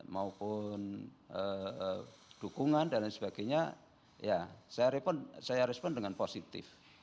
maupun dukungan dan lain sebagainya ya saya respon dengan positif